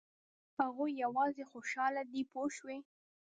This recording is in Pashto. هغوی یوازې خوشاله دي پوه شوې!.